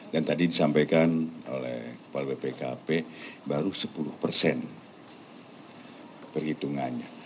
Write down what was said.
dan tadi disampaikan oleh kepala bpkp baru sepuluh perhitungannya